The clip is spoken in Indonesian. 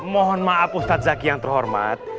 mohon maaf ustadz zaki yang terhormat